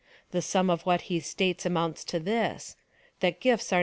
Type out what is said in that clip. The sum of what he states amounts to this — that gifts are.